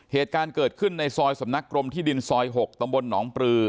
เหตุการณ์เกิดขึ้นในซอยสำนักกรมที่ดินซอย๖ตำบลหนองปลือ